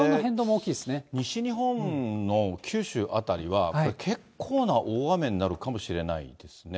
これ、西日本の九州辺りは結構な大雨になるかもしれないですね。